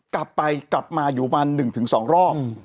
กลับไปกลับมาอยู่มาหนึ่งถึงสองรอบอืม